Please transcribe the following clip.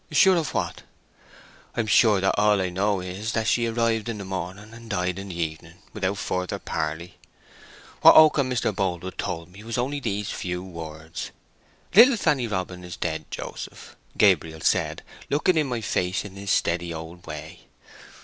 "Sure of what?" "I'm sure that all I know is that she arrived in the morning and died in the evening without further parley. What Oak and Mr. Boldwood told me was only these few words. 'Little Fanny Robin is dead, Joseph,' Gabriel said, looking in my face in his steady old way.